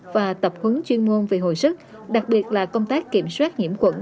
và tập huấn chuyên môn về hồi sức đặc biệt là công tác kiểm soát nhiễm quẩn